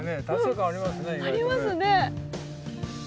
ありますね。